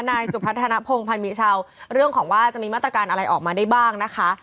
นายสุพัฒนภงพันธ์มีชาวเรื่องของว่าจะมีมาตรการอะไรออกมาได้บ้างนะคะ